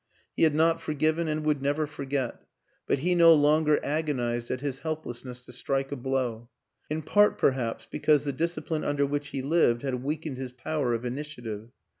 He had not forgiven and would never forget, but he no longer agonized at his helplessness to strike a blow; in part, perhaps, because the discipline un der which he lived had weakened his power of initiative.